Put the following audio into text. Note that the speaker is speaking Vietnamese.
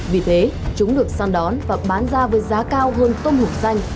vì thế chúng được săn đón và bán ra với giá cao hơn tôm hục xanh